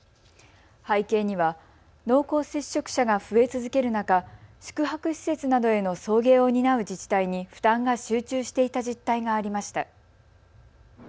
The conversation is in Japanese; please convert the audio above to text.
背景には濃厚接触者が増え続ける中、宿泊施設などへの送迎を担う自治体に負担が集中していた実態がありました。